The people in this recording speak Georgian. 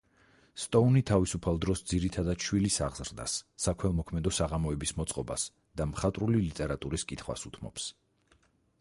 სტოუნი თავისუფალ დროს, ძირითადად, შვილის აღზრდას, საქველმოქმედო საღამოების მოწყობას და მხატვრული ლიტერატურის კითხვას უთმობს.